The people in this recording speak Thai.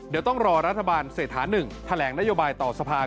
เดี๋ยวต้องรอรัฐบาลเศรษฐา๑แถลงนโยบายต่อสภา